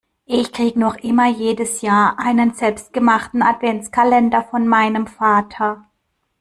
Ich krieg noch immer jedes Jahr einen selbstgemachten Adventkalender von meinem Vater.